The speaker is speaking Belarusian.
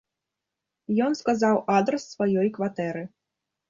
Ён сказаў адрас сваёй кватэры.